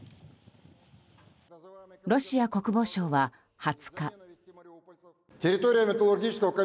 ロシア国防省は２０日。